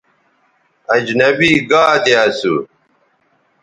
اجنبی گادے اسو